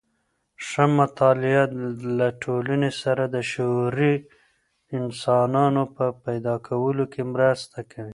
ښه مطالعه له ټولني سره د شعوري انسانانو په پيدا کولو کي مرسته کوي.